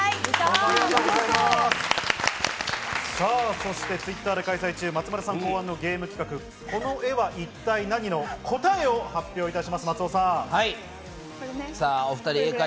そしてＴｗｉｔｔｅｒで開催中、松丸さん考案のゲーム企画「この絵は一体ナニ！？」の答えを発表いたします。